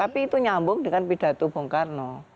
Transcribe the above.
tapi itu nyambung dengan pidato bongkarno